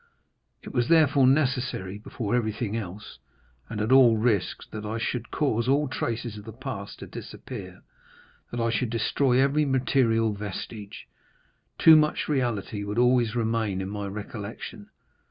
It was therefore necessary, before everything else, and at all risks, that I should cause all traces of the past to disappear—that I should destroy every material vestige; too much reality would always remain in my recollection.